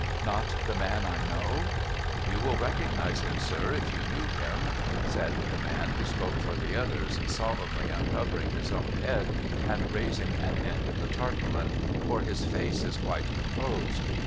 * Not the man I know ?'' You will recognise him, sir, if you knew him,' said the man who spoke for the others, solemnly uncovering his own head, and raising an end of the tarpaulin, ' for his face is quite composed.'